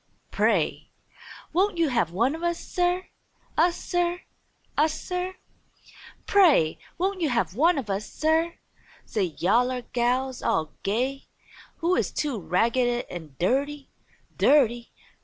"Pray! Won't you have one o' us, Sir? Us, Sir? Us, Sir? Pray! Won't you have one o' us, Sir?" say yaller gals all gay. "You is too ragged an' dirty! Dirty!